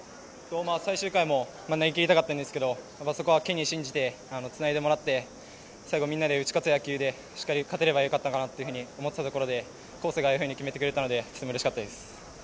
最終回も投げきりたかったんですけどそこはケニーを信じてつないでもらって最後、みんなで打ち勝つ野球でしっかり勝てればよかったかなっていうふうに思っていたところで光成がああいうふうに決めてくれたのでうれしかったです。